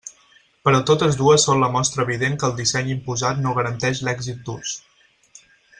Però totes dues són la mostra evident que el disseny imposat no garanteix l'èxit d'ús.